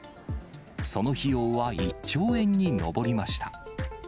その費用は１兆円に上りました。